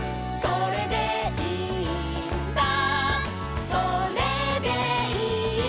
「それでいいんだ」